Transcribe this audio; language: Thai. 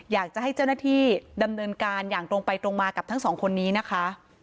อยากจะให้เจ้าหน้าที่ดำเนินการอย่างตรงไปตรงมากับทั้งสองคนนี้นะคะ